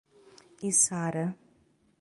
Içara